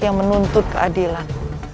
yang menuntut keadilan